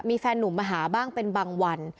มีแฟนหนุ่มมาหาบ้างเป็นบางวัน